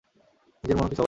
নিজের মনও কি সবাই জানে।